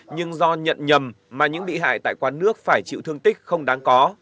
nhưng do nhận nhầm mà những bị hại tại quán nước phải chịu thương tích không đáng có